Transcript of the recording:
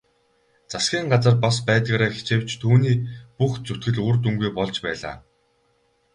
Засгийн газар бас байдгаараа хичээвч түүний бүх зүтгэл үр дүнгүй болж байлаа.